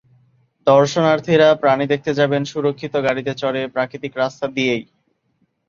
দর্শনার্থীরা প্রাণী দেখতে যাবেন সুরক্ষিত গাড়িতে চড়ে, প্রাকৃতিক রাস্তা দিয়েই।